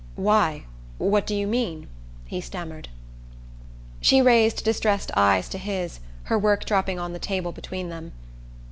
"Why, what do you mean?" he stammered. She raised distressed eyes to his, her work dropping on the table between them.